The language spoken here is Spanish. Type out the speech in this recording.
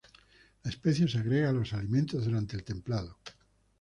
La especie se agrega a los alimentos durante el templado.